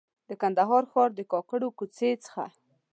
د کندهار ښار د کاکړو کوڅې څخه.